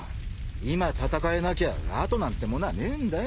［今戦えなきゃ後なんてものはねえんだよ］